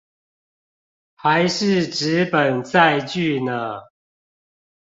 還是紙本載具呢